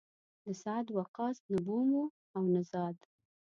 د سعد وقاص نه بوم و او نه زاد.